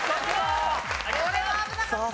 これは危なかった！